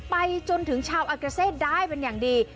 ไปจนถึงชาวอากาเซได้เป็นอย่างดี